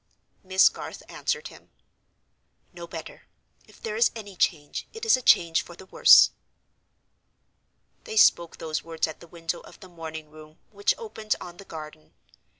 Miss Garth answered him: "No better; if there is any change, it is a change for the worse." They spoke those words at the window of the morning room which opened on the garden. Mr.